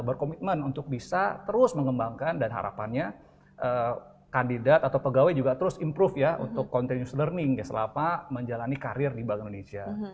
berkomitmen untuk bisa terus mengembangkan dan harapannya kandidat atau pegawai juga terus improve ya untuk continus learning selama menjalani karir di bank indonesia